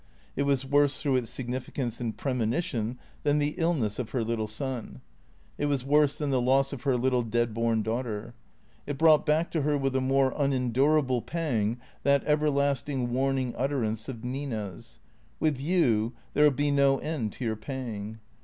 It was worse through its significance and premonition than the illness of her little son; it was worse than the loss of her little dead born daughter; it brought back to her with a more unendurable pang that everlasting warning utterance of Nina's, " With you — there '11 be no end to your paying."